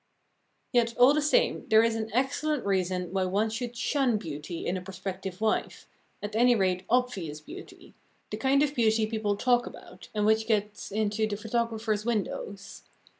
Yet all the same there is an excellent reason why one should shun beauty in a prospective wife, at anyrate obvious beauty the kind of beauty people talk about, and which gets into the photographers' windows.